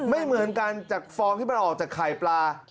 ไม่เหมือนกันจากฟองที่มันออกจากไข่ปลา